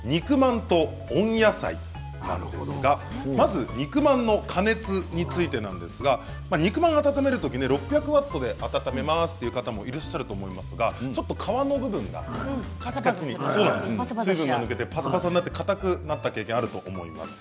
まず肉まんの加熱についてなんですが肉まんを温めるとき６００ワットで温めますという方もいらっしゃると思いますがちょっと皮の部分が水分が抜けてぱさぱさになってかたくなった経験あると思います。